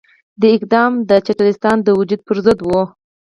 دا اقدام د پاکستان د وجود پرضد وو.